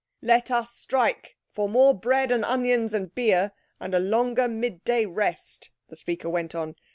"Let us strike for more bread and onions and beer, and a longer mid day rest," the speaker went on.